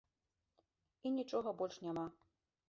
І нічога больш няма.